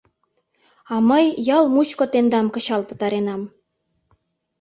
А мый ял мучко тендам кычал пытаренам.